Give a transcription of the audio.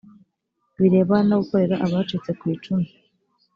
birebana no gukorera abacitse ku icumu